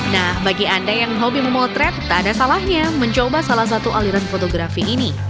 nah bagi anda yang hobi memotret tak ada salahnya mencoba salah satu aliran fotografi ini